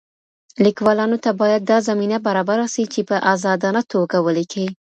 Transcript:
ليکوالانو ته بايد دا زمينه برابره سي چي په ازادانه توګه وليکي.